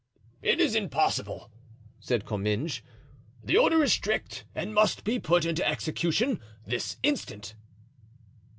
"It is impossible," said Comminges; "the order is strict and must be put into execution this instant."